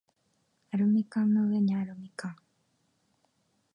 アルミ缶の上にある蜜柑